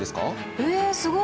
えすごい！